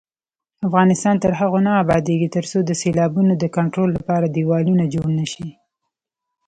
افغانستان تر هغو نه ابادیږي، ترڅو د سیلابونو د کنټرول لپاره دېوالونه جوړ نشي.